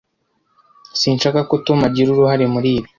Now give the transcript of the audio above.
Sinshaka ko Tom agira uruhare muri ibi.